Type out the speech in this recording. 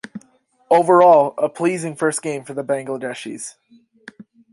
Overall, a pleasing first game for the Bangladeshis.